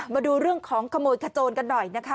มาดูเรื่องของขโมยขโจนกันหน่อยนะคะ